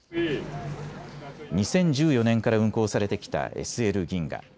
２０１４年から運行されてきたＳＬ銀河。